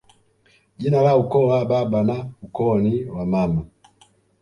Jina ni la ukoo wa baba na ukoo ni wa mama